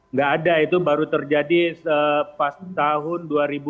tidak ada itu baru terjadi pas tahun dua ribu sepuluh dua ribu sebelas